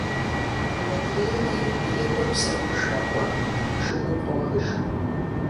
Мыдрейри, и гур псэхужауэ, жыгым къохыж…